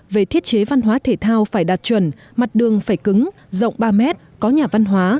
về thiết chế văn hóa thể thao phải đạt chuẩn mặt đường phải cứng rộng ba m có nhà văn hóa